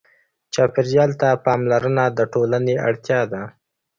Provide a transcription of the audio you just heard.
چاپېریال ته پاملرنه د ټولنې اړتیا ده.